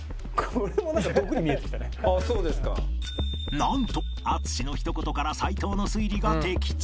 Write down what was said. なんと淳のひと言から齊藤の推理が的中